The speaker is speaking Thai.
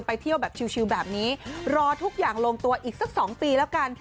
เที่ยวแบบชิลแบบนี้รอทุกอย่างลงตัวอีกสัก๒ปีแล้วกัน